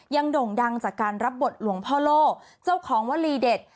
ยังด่งดังจากการรับบทลวงพลโลเจ้าของวลีเดช